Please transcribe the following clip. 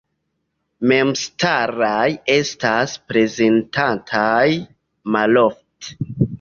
Memstaraj estas prezentataj malofte.